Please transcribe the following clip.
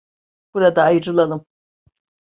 Burada ayrılalım.